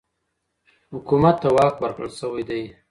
حکومت ته واک ورکړل سوی دی.